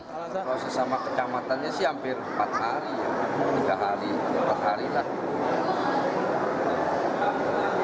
kalau sesama kecamatannya sih hampir empat hari tiga hari empat hari lah